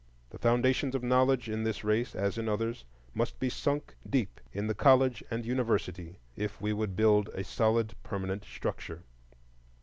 The foundations of knowledge in this race, as in others, must be sunk deep in the college and university if we would build a solid, permanent structure.